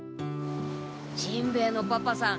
しんべヱのパパさん